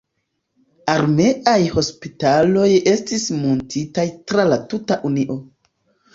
Armeaj hospitaloj estis muntitaj tra la tuta Unio.